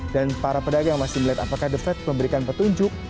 dan para pedagang masih melihat apakah the fed memberikan petunjuk